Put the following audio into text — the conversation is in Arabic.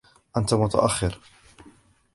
أنت متأخر.